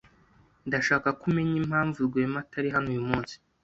Ndashaka ko umenya impamvu Rwema atari hano uyu munsi.